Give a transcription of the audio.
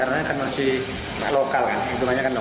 karena kan masih lokal kan